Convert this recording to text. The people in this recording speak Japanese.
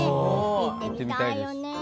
行ってみたいよね。